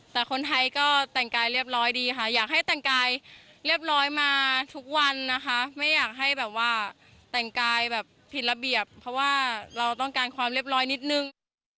แต่คนไทยก็แต่งกายเรียบร้อยดีค่ะอยากให้แต่งกายเรียบร้อยมาทุกวันนะคะไม่อยากให้แบบว่าแต่งกายแบบผิดระเบียบเพราะว่าเราต้องการความเรียบร้อยนิดนึง